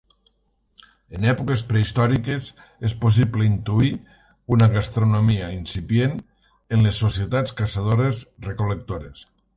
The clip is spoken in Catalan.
En èpoques prehistòriques és possible intuir una gastronomia incipient en les societats caçadores-recol·lectores.